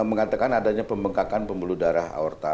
mengatakan adanya pembengkakan pembuluh darah